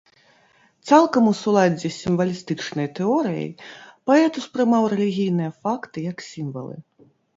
Цалкам у суладдзі з сімвалістычнай тэорыяй паэт успрымаў рэлігійныя факты як сімвалы.